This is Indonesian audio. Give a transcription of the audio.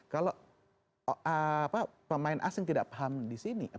kalau pemain asing tidak paham di sini